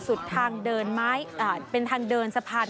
สุดทางเดินสะพาน